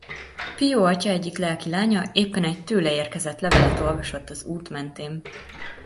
Pio atya egyik lelki lánya éppen egy tőle érkezett levelet olvasott az út mentén.